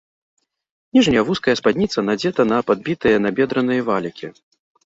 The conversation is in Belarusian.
Ніжняя вузкая спадніца надзета на падбітыя набедраныя валікі.